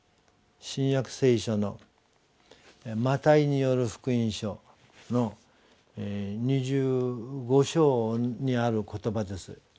「新約聖書」の「マタイによる福音書」の２５章にある言葉です。